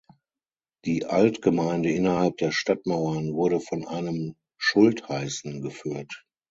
Die Altgemeinde innerhalb der Stadtmauern wurde von einem Schultheißen geführt.